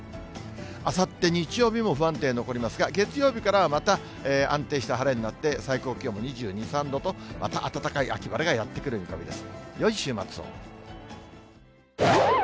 あさって日曜日も不安定残りますが、月曜日からはまた安定した晴れになって、最高気温も２２、３度と、また暖かい秋晴れがやって来る見込みです。